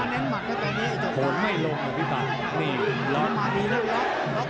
โหไม่ลงอ่ะพี่ปั๊บนี่ล็อค